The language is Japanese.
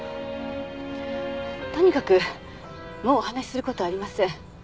とにかくもうお話しする事はありません。